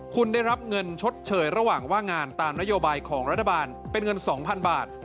คุณได้รับเงินชดเชยระหว่างว่างงานตามนโยบายของรัฐบาลเป็นเงิน๒๐๐๐บาท